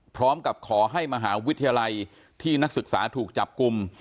พร้อมกับขอให้มหาวิทยาลัยที่นักศึกษาถูกจับกลุ่ม